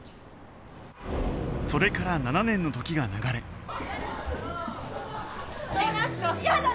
それから７年の時が流れやだ！